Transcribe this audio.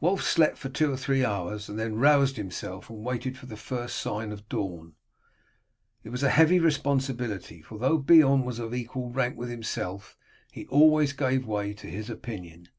Wulf slept for two or three hours, and then roused himself and waited for the first sign of dawn. It was a heavy responsibility, for though Beorn was of equal rank with himself he always gave way to his opinion.